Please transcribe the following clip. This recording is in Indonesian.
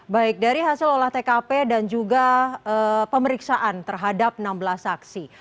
baik dari hasil olah tkp dan juga pemeriksaan terhadap enam belas saksi